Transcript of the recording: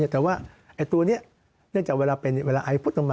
แต่ว่าตัวนี้เนื่องจากเวลาเป็นเวลาไอพูดตรงมา